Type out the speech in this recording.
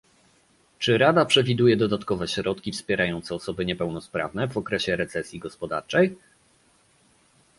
Czy Rada przewiduje dodatkowe środki wspierające osoby niepełnosprawne w okresie recesji gospodarczej?